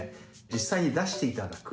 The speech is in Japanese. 実際に出していただく。